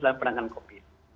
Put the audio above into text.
dalam penanganan covid